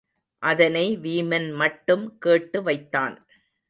அதனை வீமன் மட்டும் கேட்டு வைத்தான்.